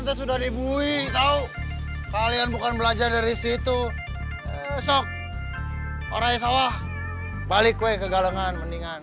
ya udah deh maaf ya aku ganggu